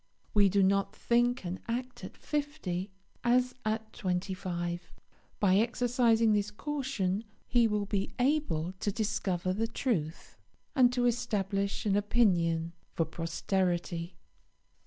We do not think and act at fifty as at twenty five. By exercising this caution he will be able to discover the truth, and to establish an opinion for posterity.